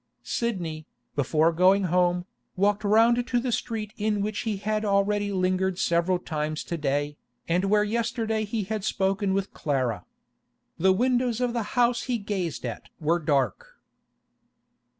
Sidney, before going home, walked round to the street in which he had already lingered several times to day, and where yesterday he had spoken with Clara. The windows of the house he gazed at were dark.